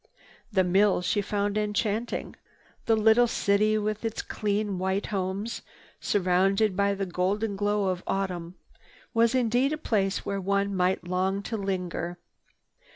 The mill she found enchanting. The little city with its clean white homes, surrounded by the golden glow of autumn, was indeed a place where one might long to linger.